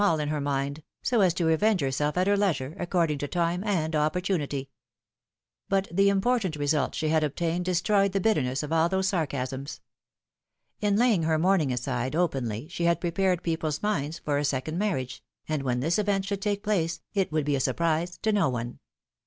all in her mind, so as to revenge herself at her leisure, according to time and opportunity. But the important result she had obtained destroyed 38 philom^:ne's marriages. the bitterness of all those sarcasms. In laying her mourn ing aside openly she had prepared people's minds for a second marriage, and when this event should take place, it would be a surprise to no one.